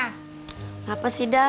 kenapa sih da